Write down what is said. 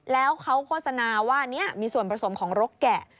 แล้วเขาโฆษณาว่าอันนี้มีส่วนผสมของรกแกะ